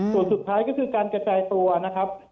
ส่วนสุดท้ายก็คือการกระจายตัวนะครับ